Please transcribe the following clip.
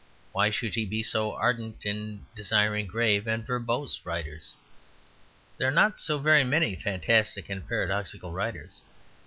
Why should he be so ardent in desiring grave and verbose writers? There are not so very many fantastic and paradoxical writers.